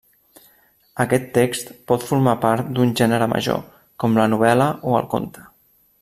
Aquest text pot formar part d'un gènere major, com la novel·la o el conte.